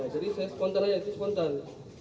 jadi saya spontan aja itu spontan